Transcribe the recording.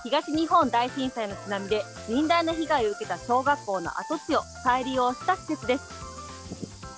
東日本大震災の津波で甚大な被害を受けた小学校の跡地を再利用した施設です。